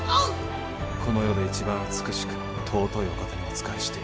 この世で一番美しく尊いお方にお仕えしている。